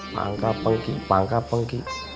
pangka pengki pangka pengki